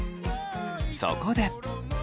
そこで。